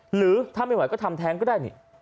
หรือถ้าไม่ไหวก็ทำแทนก็ได้นี่